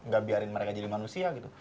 gak biarin mereka jadi manusia gitu